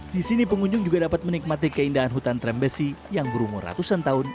di sini pengunjung juga dapat menikmati keindahan hutan trembesi yang berumur ratusan tahun